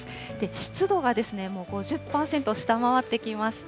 湿度がもう５０％下回ってきました。